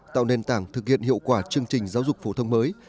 tạo nền tảng thực hiện hiệu quả chương trình giáo dục phổ thông mới